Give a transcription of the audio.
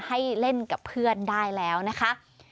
ให้เล่นกับเพื่อนได้แล้วนะคะ